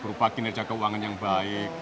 berupa kinerja keuangan yang baik